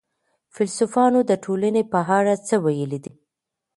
فيلسوفانو د ټولني په اړه څه ويلي دي؟